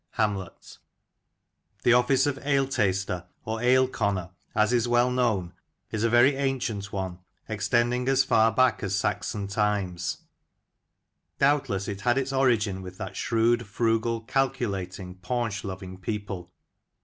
— Hamlet, THE office of ale taster, or ale conner, as is well known, is a very ancient one, extending as far back as Saxon times. Doubtless, it had its origin with that shrewd, frugal, calculating, paunch loving people.